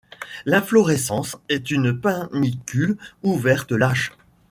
L'inflorescence est une panicule ouverte, lâche.